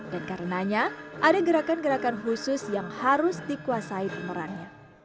dan karenanya ada gerakan gerakan khusus yang harus dikuasai pemerannya